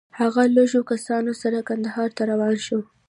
هغه له لږو کسانو سره کندهار ته روان شو.